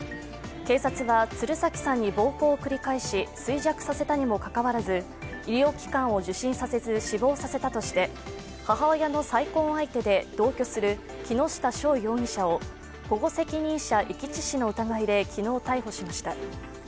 警察は鶴崎さんに暴行を繰り返し衰弱させたにもかかわらず医療機関を受診させず死亡させたとして母親の再婚相手で同居する木下匠容疑者を保護責任者遺棄致死の疑いで昨日、逮捕しました。